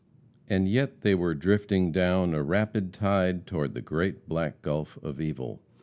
And yet they were drifting down a rapid tide toward the great black gulf of evil.